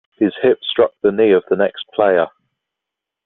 His hip struck the knee of the next player.